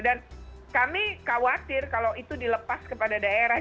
dan kami khawatir kalau itu dilepas kepada daerah